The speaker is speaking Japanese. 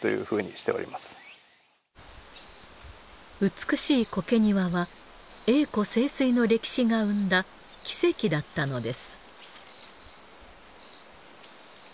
美しい苔庭は栄枯盛衰の歴史が生んだ奇跡だったのです。